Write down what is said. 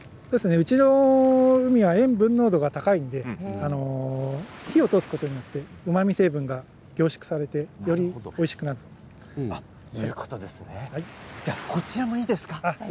うちの海は塩分濃度が高いので火を通すことによってうまみ成分が凝縮されてではこちらもいいですか？